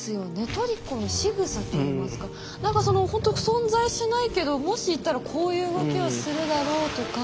トリコのしぐさっていいますか何かそのほんと存在しないけどもしいたらこういう動きはするだろうとか。